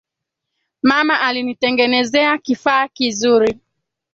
Mama alinitengenezea kifaa kizuri